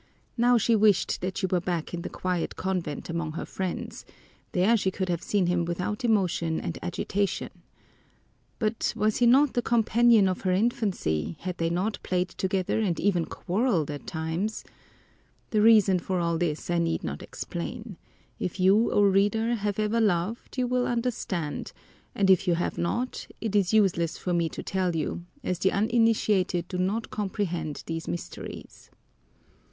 Now she wished that she were back in the quiet convent among her friends; there she could have seen him without emotion and agitation! But was he not the companion of her infancy, had they not played together and even quarreled at times? The reason for all this I need not explain; if you, O reader, have ever loved, you will understand; and if you have not, it is useless for me to tell you, as the uninitiated do not comprehend these mysteries.